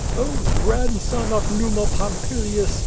"Oh, grandson of Numa Pampilius!